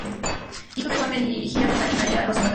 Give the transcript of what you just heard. Hijo de Juan Mejía Baca y María Rosa Baca.